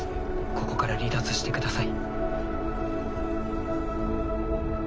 ここから離脱してください。